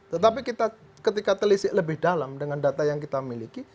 tetapi kita ketika telisik lebih dalam dengan data yang kita miliki